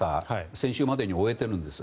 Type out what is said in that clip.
先週までに終えているんです。